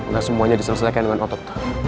nah semuanya diselesaikan dengan otot